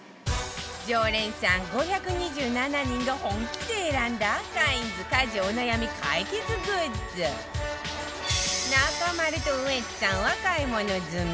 常連さん５２７人が本気で選んだカインズ家事お悩み解決グッズ中丸とウエンツさんは買い物済み